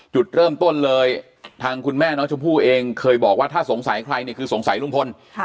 จุดเริ่มต้นเลยทางคุณแม่น้องชมพู่เองเคยบอกว่าถ้าสงสัยใครเนี่ยคือสงสัยลุงพล